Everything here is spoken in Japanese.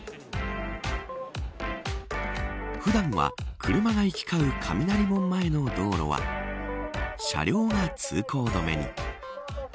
普段は車が行き交う雷門前の道路は車両が通行止めに。